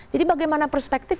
jadi bagaimana perspektif